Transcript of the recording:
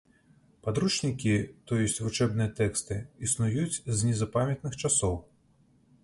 Падручнікі, то ёсць вучэбныя тэксты, існуюць з незапамятных часоў.